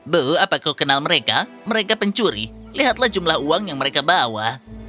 bu apa kau kenal mereka mereka pencuri lihatlah jumlah uang yang mereka bawa